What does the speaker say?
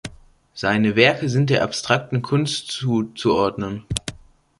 Seine Werke sind der Abstrakten Kunst zuzuordnen.